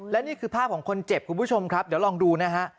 และนี่คือภาพของคนเจ็บคุณผู้ชมครับเดี๋ยวลองดูนะฮะ